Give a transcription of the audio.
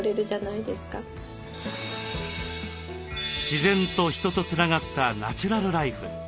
自然と人とつながったナチュラルライフ。